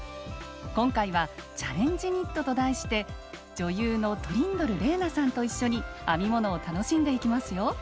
今回はチャレンジニットと題して女優のトリンドル玲奈さんと一緒に編み物を楽しんでいきますよ。